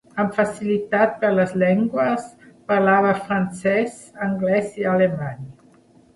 Amb facilitat per les llengües, parlava francès, anglès i alemany.